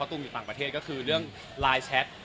ตูมอยู่ต่างประเทศก็คือเรื่องไลน์แชท